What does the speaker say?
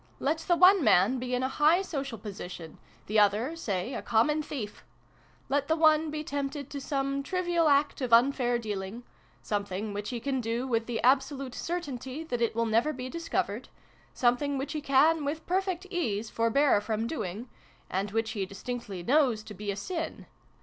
Let the one man be in a high social position the other, say, a common thief. Let the one be tempted to some trivial act of unfair dealing some thing which he can do with the absolute <_> certainty that it will never be discovered something which he can with perfect ease forbear from doing and which he distinctly knows to be a sin.